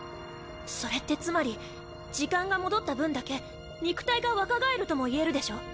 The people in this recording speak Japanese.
それってつまり時間が戻った分だけ肉体が若返るともいえるでしょ？